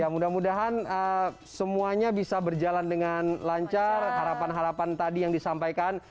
mudah mudahan semuanya bisa berjalan dengan lancar harapan harapan tadi yang disampaikan